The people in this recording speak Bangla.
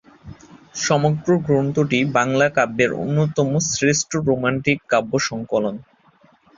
সমগ্র গ্রন্থটি বাংলা কাব্যের অন্যতম শ্রেষ্ঠ রোম্যান্টিক কাব্য সংকলন।